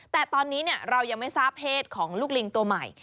แต่ตอนนี้เรายังไม่ทราบเพศของลูกลิงตัวใหม่